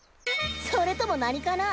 それとも何かな？